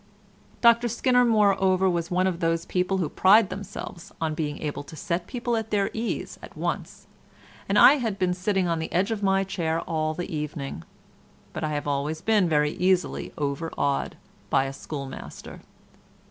Dr Skinner, moreover, was one of those who pride themselves on being able to set people at their ease at once, and I had been sitting on the edge of my chair all the evening. But I have always been very easily overawed by a schoolmaster.